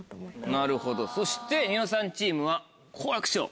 なるほどそして『ニノさん』チームは好楽師匠。